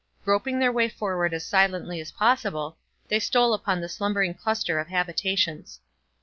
Groping their way forward as silently as possible, they stole upon the slumbering cluster of habitations.